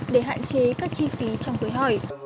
để hạn chế các chi phí trong khối hỏi